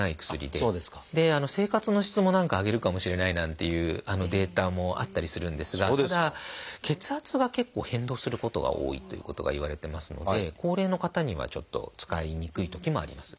で生活の質も何か上げるかもしれないなんていうデータもあったりするんですがただ血圧が結構変動することが多いということがいわれてますので高齢の方にはちょっと使いにくいときもあります。